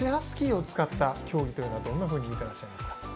スキーを使った競技というのはどんなふうに見ていらっしゃいますか？